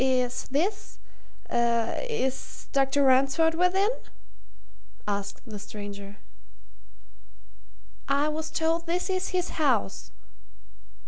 "Is this is Dr. Ransford within?" asked the stranger. "I was told this is his house."